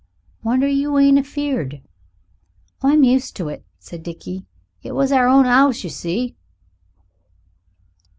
"Wonder you ain't afeared." "I'm used to it," said Dickie; "it was our own 'ouse, you see."